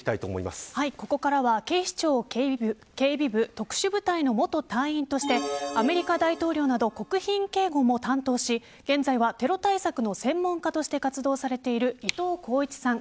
ここからは、警視庁警備部特殊部隊の元隊員としてアメリカ大統領など国賓警護も担当し現在はテロ対策の専門家として活動されている伊藤鋼一さん。